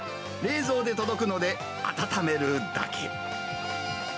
冷蔵で届くので、温めるだけ。